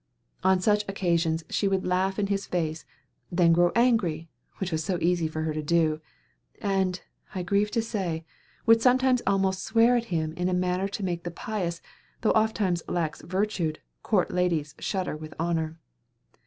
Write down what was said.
On such occasions she would laugh in his face, then grow angry which was so easy for her to do and, I grieve to say, would sometimes almost swear at him in a manner to make the pious, though ofttimes lax virtued, court ladies shudder with horror.